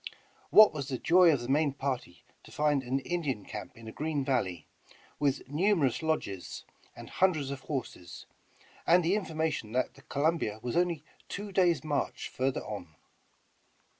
What was the joy of the main party to find an Indian camp in a green valley, with numerous lodges and hundreds of horses, and the in formation that the Columbia was only two days' march further on.